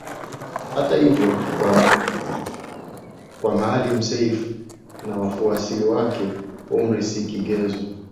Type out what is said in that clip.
Hata hivyo kwa Maalim Seif na wafuasi wake umri si kigezo